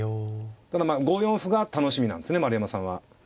ただまあ５四歩が楽しみなんですね丸山さんは。